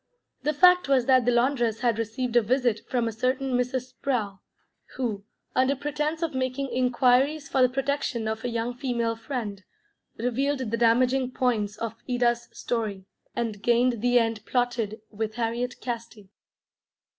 The fact was that the laundress had received a visit from a certain Mrs. Sprowl, who, under pretence of making inquiries for the protection of a young female friend, revealed the damaging points of Ida's story, and gained the end plotted with Harriet Casti.